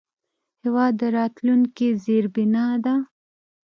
هېواد د راتلونکي زیربنا ده.